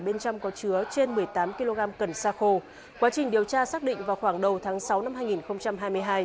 bên trong có chứa trên một mươi tám kg cần xa khô quá trình điều tra xác định vào khoảng đầu tháng sáu năm hai nghìn hai mươi hai